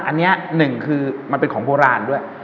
อันนี้หนึ่งคือมันเป็นของโบราณด้วย